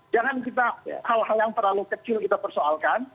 jangan kita hal hal yang terlalu kecil kita persoalkan